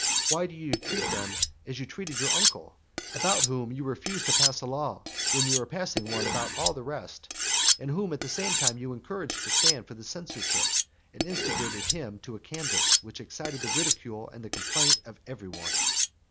Why do you treat them as you treated your uncle? about whom you refused to pass a law when you were passing one about all the rest; and whom at the same time you encouraged to stand for the censorship, and instigated him to a canvass, which excited the ridicule and the complaint of every one.